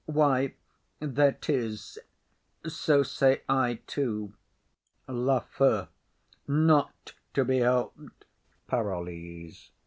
Why, there 'tis; so say I too. LAFEW. Not to be helped. PAROLLES.